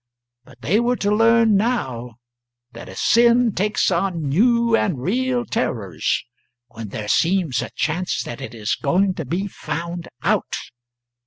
But they were to learn, now, that a sin takes on new and real terrors when there seems a chance that it is going to be found out.